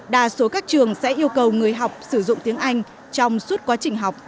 đa số các trường sẽ yêu cầu người học sử dụng tiếng anh trong suốt quá trình học